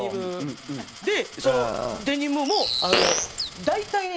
でそのデニムも大体ね